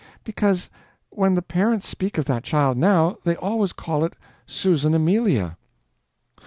"Because when the parents speak of that child now, they always call it Susan Amelia."